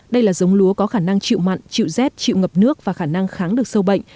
đây là giống lúa có khả năng chịu mặn chịu rét chịu ngập nước và khả năng kháng được sâu bệnh